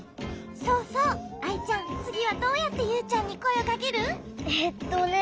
そうそうアイちゃんつぎはどうやってユウちゃんにこえをかける？えっとね。